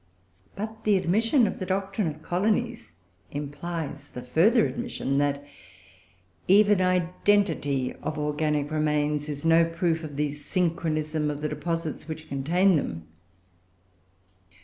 But the admission of the doctrine of colonies implies the further admission that even identity of organic remains is no proof of the synchronism of the deposits which contain them.